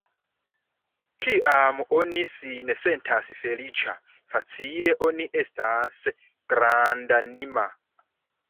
Kiam oni sin sentas feliĉa, facile oni estas grandanima.